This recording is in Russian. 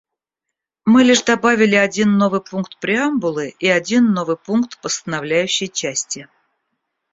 Мы лишь добавили один новый пункт преамбулы и один новый пункт постановляющей части.